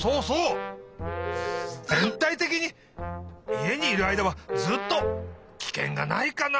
家にいるあいだはずっとキケンがないかな？